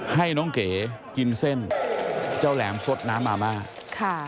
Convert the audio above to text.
ให้น้องเก๋กินเส้นเจ้าแหลมสดน้ำมาม่าค่ะ